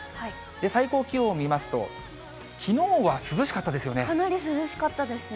最高気温を見ますと、かなり涼しかったですね。